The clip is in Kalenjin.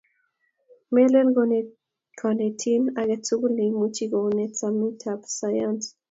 melen konetin aketukul neimuch kunet somoitab sayance